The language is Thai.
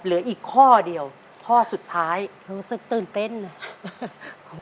เหลืออีกข้อเดียวข้อสุดท้ายรู้สึกตื่นเต้นเลย